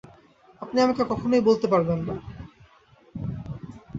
আপনি আমাকে কখনই বলতে পারবেন না।